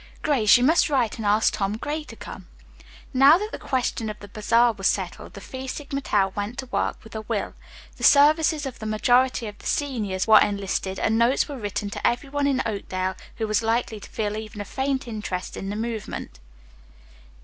Grace, you must write and ask Tom Gray to come." Now that the question of the bazaar was settled, the Phi Sigma Tau went to work with a will. The services of the majority of the seniors were enlisted and notes were written to every one in Oakdale who was likely to feel even a faint interest in the movement.